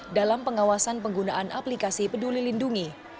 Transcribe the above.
dalam pengawasan penggunaan aplikasi peduli lindungi